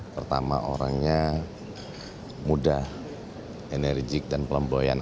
pertama orangnya muda enerjik dan pelemboyan